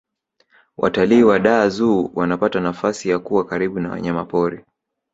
watalii wa dar zoo wanapata nafasi ya kuwa karibu na wanyamapori